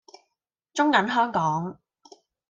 中銀香港